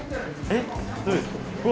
えっ？